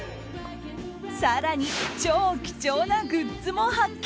更に超貴重なグッズも発見。